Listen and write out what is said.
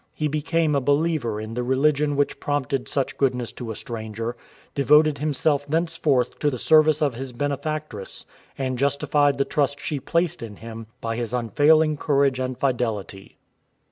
He became a believer in the religion which prompted such goodness to a stranger, devoted himself thenceforth to the service of his benefactress, and justified the trust she placed in him by his unfailing courage and fidelity.